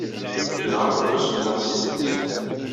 Yenɣa-kent usemmiḍ s tidet.